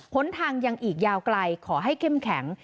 หนทางยังอีกยาวไกลขอให้เข้มแข็ง